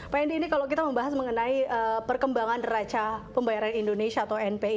pak hendy ini kalau kita membahas mengenai perkembangan raca pembayaran indonesia atau npi